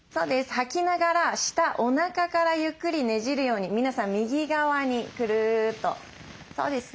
吐きながら下おなかからゆっくりねじるように皆さん右側にくるっとそうですね。